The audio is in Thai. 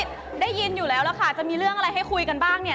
ได้ยินอยู่แล้วล่ะค่ะจะมีเรื่องอะไรให้คุยกันบ้างเนี่ย